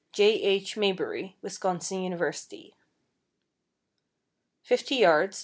J. H. Maybury, Wisconsin University; 50 yds.